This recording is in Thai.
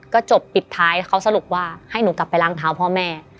ก็จบปิดท้ายเขาสรุปว่าให้หนูกลับไปล้างเท้าพ่อแม่